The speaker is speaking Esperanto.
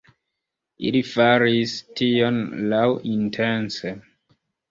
Ili faris tion laŭintence.